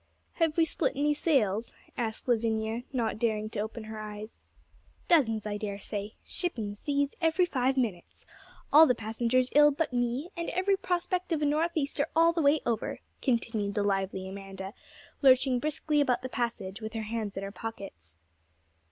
'Have we split any sails?' asked Lavinia, not daring to open her eyes. 'Dozens, I dare say. Shipping seas every five minutes. All the passengers ill but me, and every prospect of a north easter all the way over,' continued the lively Amanda, lurching briskly about the passage with her hands in her pockets.